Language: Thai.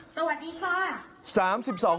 สวัสดีค่ะ